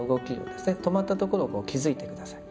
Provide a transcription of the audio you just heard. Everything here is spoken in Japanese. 止まったところを気づいて下さい。